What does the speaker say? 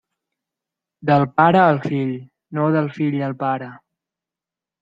Del pare al fill, no del fill al pare.